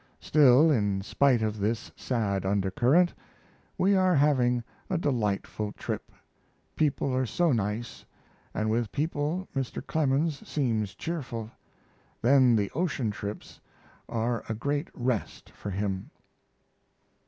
Still, in spite of this sad undercurrent, we are having a delightful trip. People are so nice, and with people Mr. Clemens seems cheerful. Then the ocean trips are a great rest to him.